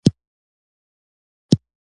زړه د غمونو کور دی.